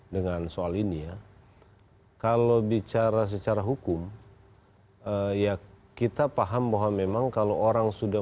dengan soal ini ya kalau bicara secara hukum ya kita paham bahwa memang kalau orang sudah